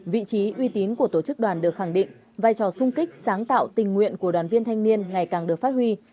vị trí uy tín của tổ chức đoàn được khẳng định vai trò sung kích sáng tạo tình nguyện của đoàn viên thanh niên ngày càng được phát huy